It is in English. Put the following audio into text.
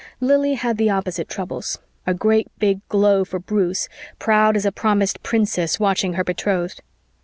Lili had the opposite of troubles, a great big glow for Bruce, proud as a promised princess watching her betrothed.